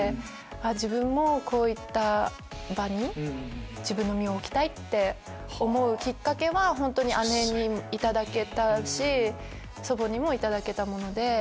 自分もこういった場に身を置きたいって思うきっかけは姉に頂けたし祖母にも頂けたもので。